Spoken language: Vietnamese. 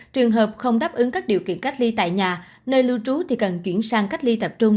trường hợp không đáp ứng các điều kiện cách ly tại nhà nơi lưu trú thì cần chuyển sang cách ly tập trung